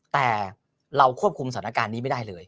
แต่เราควบคุมสถานการณ์นี้ไม่ได้เลย